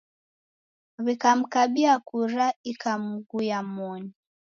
W'ikamkabia kura ikamguya moni.